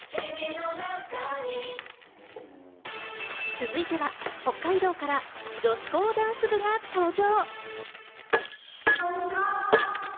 続いては北海道から女子高ダンス部が登場。